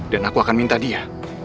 dan aku akan minta dia